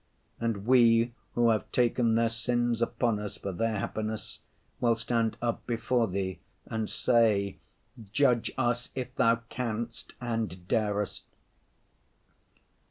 And we who have taken their sins upon us for their happiness will stand up before Thee and say: "Judge us if Thou canst and darest."